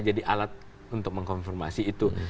jadi alat untuk mengkonfirmasi itu